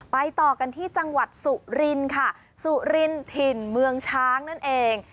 ต่อกันที่จังหวัดสุรินค่ะสุรินถิ่นเมืองช้างนั่นเอง